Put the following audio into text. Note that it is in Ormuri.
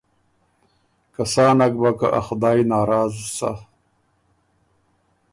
که سا نک بَۀ که ا خدای ناراض سَۀ